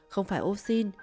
không phải ô xin